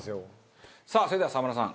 さあそれでは澤村さん